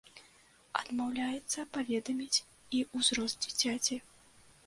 Адмаўляецца паведаміць і ўзрост дзіцяці.